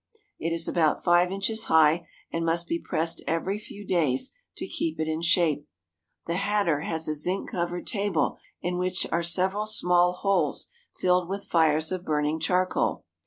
It is about five inches high, and must be pressed every few days to keep it in shape. The hatter has a zinc covered table in which are several small holes filled with fires of burning charcoal.